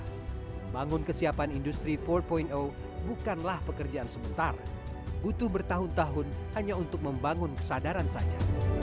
membangun kesiapan industri empat bukanlah pekerjaan sebentar butuh bertahun tahun hanya untuk membangun kesadaran saja